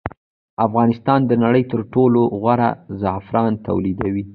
افغانستان د نړۍ تر ټولو غوره زعفران تولیدوي